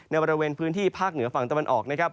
บริเวณพื้นที่ภาคเหนือฝั่งตะวันออกนะครับ